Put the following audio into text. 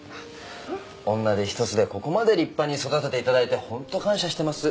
女手一つでここまで立派に育てていただいてホント感謝してます。